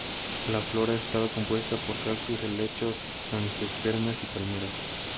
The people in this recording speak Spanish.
La flora estaba compuesta por cactus, helechos, angiospermas, y palmeras.